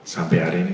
sampai hari ini